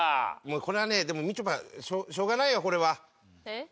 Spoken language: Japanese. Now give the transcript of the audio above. これはねでもみちょぱしょうがないよこれは。